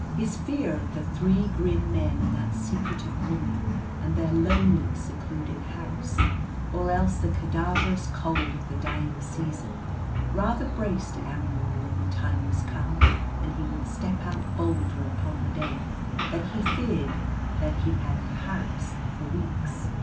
His fear of the three grim men and that secretive woman and their lonely, secluded house, or else the cadaverous cold of the dying season, rather braced Amuel when the time was come and he would step out bolder upon the day that he feared than he had perhaps for weeks.